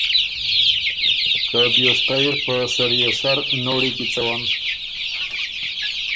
که دیوشتئ اِر په سړيې سر نوړی کی څوَّن۔